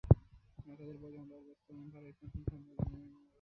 তাদের বয়স যখন দশ তখন থেকে তারা স্মার্টফোন সম্পর্কে জানে এবং ব্যবহার করে আসছে।